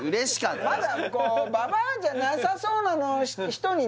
まだこうババアじゃなさそうな人にね